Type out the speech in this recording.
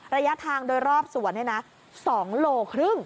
ระยะทางโดยรอบสวนนี่นะ๒๕โลกรัม